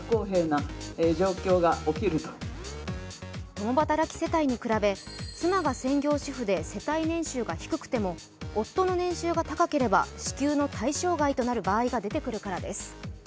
共働き世帯に比べ、妻が専業主婦で夫の年収が高ければ支給の対象外となる場合が出てくるからです。